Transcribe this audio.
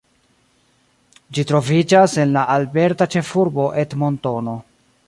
Ĝi troviĝas en la alberta ĉefurbo Edmontono.